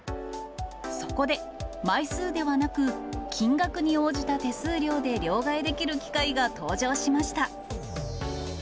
そこで、枚数ではなく金額に応じた手数料で両替できる機械が登場しました。